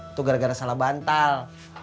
itu gara gara salah bantal